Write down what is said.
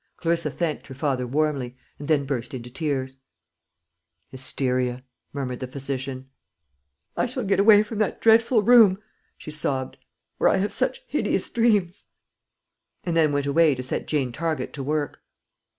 Clarissa thanked her father warmly, and then burst into tears. "Hysteria," murmured the physician. "I shall get away from that dreadful room," she sobbed, "where I have such hideous dreams;" and then went away to set Jane Target to work.